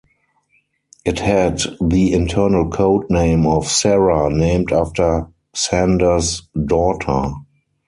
It had the internal code name of "Sara", named after Sander's daughter.